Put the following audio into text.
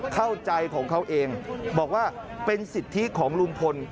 เข้าใจของเขาเองบอกว่าเป็นสิทธิของลุงพล